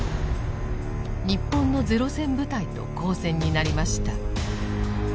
日本の零戦部隊と交戦になりました。